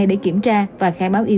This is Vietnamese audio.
để kiểm tra và khai báo ý